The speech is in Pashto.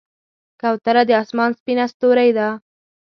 کوتره د آسمان سپینه ستورۍ ده.